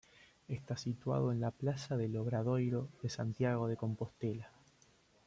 Está situado en la Plaza del Obradoiro de Santiago de Compostela.